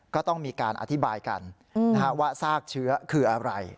ก็ต้องมีการอธิบายกันว่าซากเชื้อคืออะไร